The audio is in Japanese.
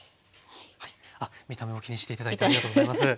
あっ見た目も気にして頂いてありがとうございます。